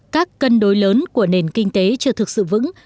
các cân đối lớn của nền kinh tế chưa thực sự vững